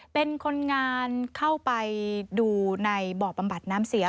เป็นคนงานเข้าไปดูในบ่อบำบัดน้ำเสีย